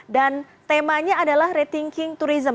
dan temanya adalah rethinking tourism